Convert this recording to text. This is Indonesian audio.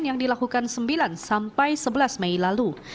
yang dilakukan sembilan sampai sebelas mei lalu